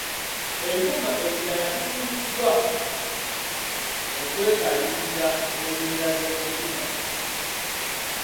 Ebyuma ebirala biguliddwa okwekaliriza embeera z'omutima.